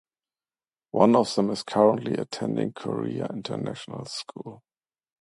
One of them is currently attending Korea International School.